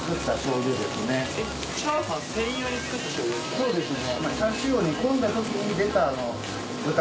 そうですね。